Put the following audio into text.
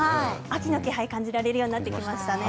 秋の気配を感じられるようになってきましたね。